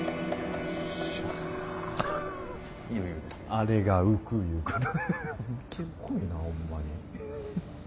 あれが浮くいうこと。